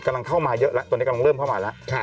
กำลังเข้ามาเยอะแล้วตอนนี้กำลังเริ่มเข้ามาแล้ว